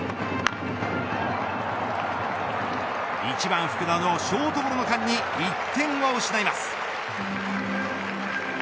１番福田のショートゴロの間に１点を失います。